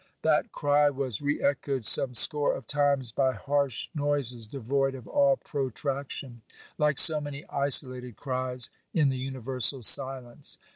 That cry was re echoed some score of times, by harsh noises, devoid of all protraction, like so many isolated cries in the universal silence.